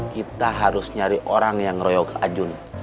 kita harus nyari orang yang royok ajun